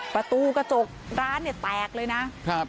ประตูกระจกร้านเนี่ยแตกเลยนะครับ